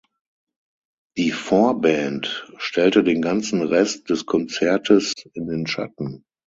Die Vorband stellte den ganzen Rest des Konzertes in den Schatten.